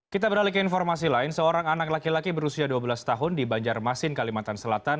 kita beralih ke informasi lain seorang anak laki laki berusia dua belas tahun di banjarmasin kalimantan selatan